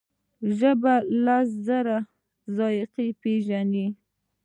ژبه لس زره ذایقې پېژني.